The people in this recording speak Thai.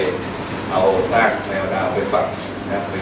เอาซากแนวดาวเป็นฝั่งนะครับ